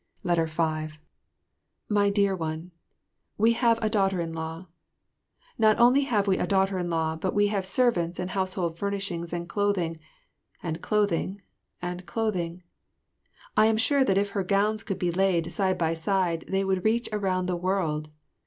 5 My Dear One, We have a daughter in law. Not only have we a daughter in law, but we have servants and household furnishings and clothing and clothing and clothing. I am sure that if her gowns could be laid side by side, they would reach around the world.